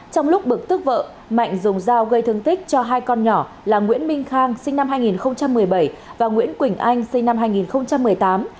trong lúc bực tức vợ mạnh dùng dao gây thương tích cho hai con nhỏ là nguyễn minh khang sinh năm hai nghìn một mươi bảy và nguyễn quỳnh anh sinh năm hai nghìn một mươi tám